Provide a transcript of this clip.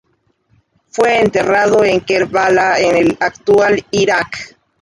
Fue enterrado en Kerbala, en el actual Iraq.